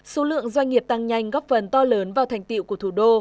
số lượng doanh nghiệp tăng nhanh góp phần to lớn vào thành tiệu của thủ đô